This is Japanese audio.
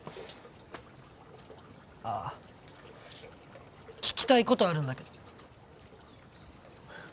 あっ聞きたいことあるんだけど。